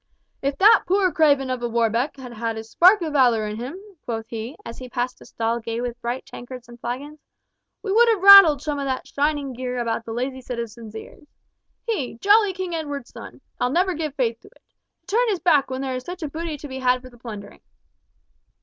"If that poor craven of a Warbeck had had a spark of valour in him," quoth he, as he passed a stall gay with bright tankards and flagons, "we would have rattled some of that shining gear about the lazy citizens' ears! He, jolly King Edward's son! I'll never give faith to it! To turn his back when there was such a booty to be had for the plundering."